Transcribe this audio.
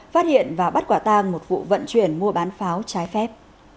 phát hiện và bắt quả tang một vụ vận chuyển mua bán pháo trái phép